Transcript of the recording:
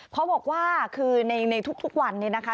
เขาบอกว่าคือในทุกวันนี้นะคะ